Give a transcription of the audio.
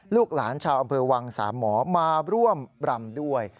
ลูกหลานชาวอำเภอวังสามหมอมาร่วมรำด้วย